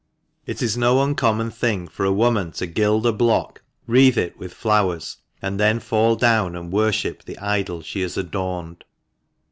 IT is no uncommon thing for a woman to gild a block, wreathe it with flowers, and then fall down and worship the idol she has adorned.